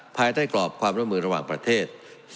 ภายใต้กรอบความร่วมมือระหว่างประเทศ